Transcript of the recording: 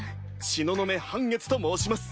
東雲半月と申します。